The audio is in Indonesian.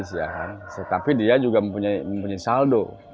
kita juga mempunyai saldo